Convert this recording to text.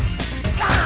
aku mau lihat